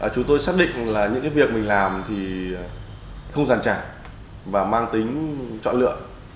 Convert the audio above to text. chúng tôi xác định là những việc mình làm thì không giàn trả và mang tính chọn lựa